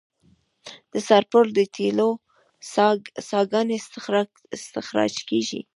د سرپل د تیلو څاګانې استخراج کیږي